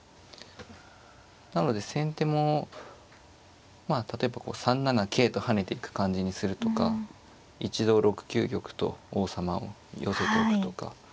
なので先手もまあ例えばこう３七桂と跳ねていく感じにするとか一度６九玉と王様を寄せておくとか。